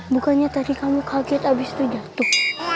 bukannya tadi kamu kaget abis itu jatuh